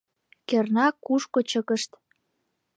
— Кернак, кушко чыкышт?